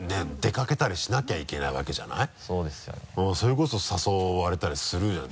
それこそ誘われたりするじゃん。